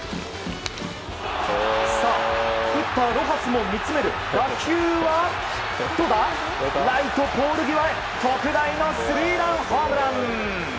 さあ、打ったロハスも見つめる打球はどうだ、ライトポール際へ特大のスリーランホームラン！